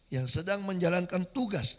yang sedang menjalankan tugas